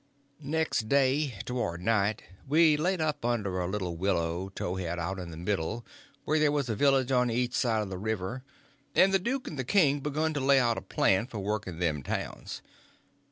Next day, towards night, we laid up under a little willow towhead out in the middle, where there was a village on each side of the river, and the duke and the king begun to lay out a plan for working them towns.